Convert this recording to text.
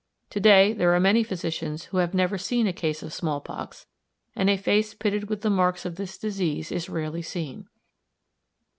To day there are many physicians who have never seen a case of small pox, and a face pitted with the marks of this disease is rarely seen.